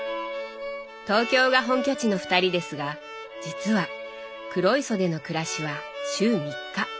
東京が本拠地の二人ですが実は黒磯での暮らしは週３日。